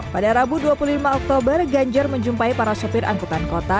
pada rabu dua puluh lima oktober ganjar menjumpai para sopir angkutan kota